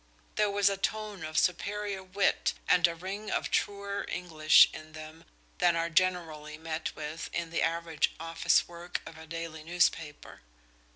There was a tone of superior wit and a ring of truer English in them than are generally met with in the average office work of a daily newspaper.